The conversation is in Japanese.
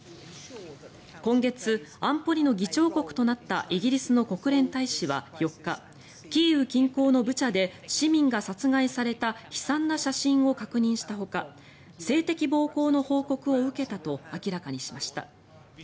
今月、安保理の議長国となったイギリスの国連大使は４日キーウ近郊のブチャで市民が殺害された悲惨な写真を確認したほか性的暴行の報告を受けたと明らかにしました。